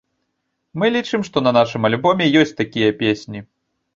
Мы лічым, што на нашым альбоме ёсць такія песні.